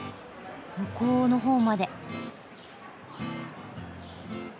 向こうの方まで。